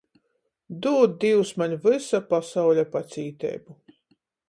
Dūd, Dīvs, maņ vysa pasauļa pacīteibu!